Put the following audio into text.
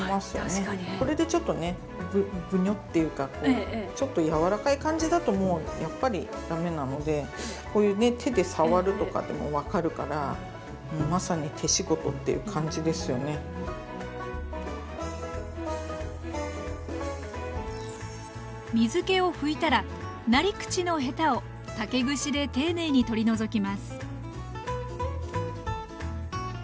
これでちょっとねぶにょっていうかちょっと柔らかい感じだともうやっぱり駄目なのでこういうね水けを拭いたらなり口のヘタを竹串で丁寧に取り除きます